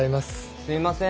すいません。